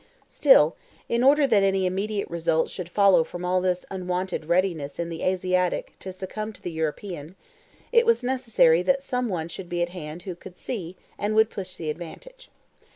Still, in order that any immediate result should follow from all this unwonted readiness in the Asiatic to succumb to the European, it was necessary that some one should be at hand who could see and would push the advantage.